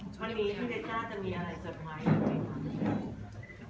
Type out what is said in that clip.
ตอนนี้ที่เย็จกล้าจะมีอะไรสุดไวนะครับ